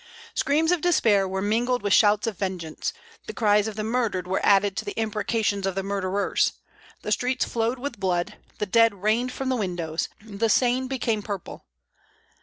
Screams of despair were mingled with shouts of vengeance; the cries of the murdered were added to the imprecations of the murderers; the streets flowed with blood, the dead rained from the windows, the Seine became purple.